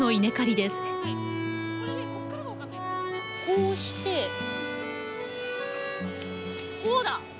こうしてこうだ！